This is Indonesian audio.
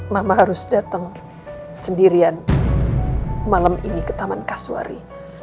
mama harus datang sendirian malam ini ke taman kaswari